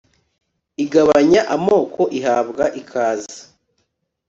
Igabanya amoko ihabwa ikaze